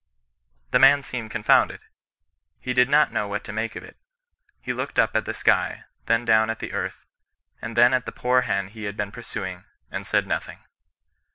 The man seemed confounded. He did not know what to make of it. He looked up at the sky — ^then down at the earth — and then at the poor hen he had been pur suing, and said nothing.